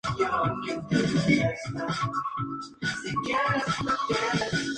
La cosecha de frutos menores cubre gran parte de la actividad agrícola.